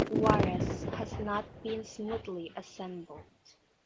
"Juarez" has not been smoothly assembled.